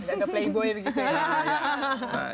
agak playboy begitu ya